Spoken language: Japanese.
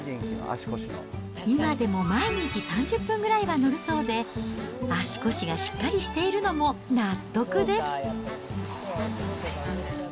今でも毎日３０分ぐらいは乗るそうで、足腰がしっかりしているのも納得です。